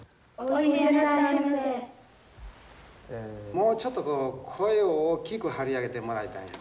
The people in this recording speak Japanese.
もうちょっとこう声を大きく張り上げてもらいたいんやけどね。